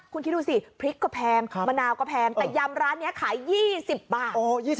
คุณคิดดูสิพริกก็แพงมะนาวก็แพงแต่ยำร้านนี้ขาย๒๐บาท